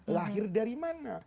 lahir dari mana